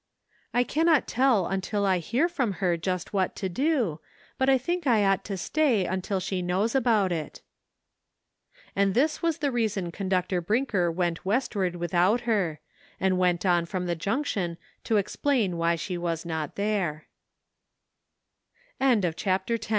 " I cannot tell until I hear from her just what to do, but I think I ought to stay until she knows about it." And this was the reason Conductor Brinker went westward without her, and went on from the Junction to explain why she was not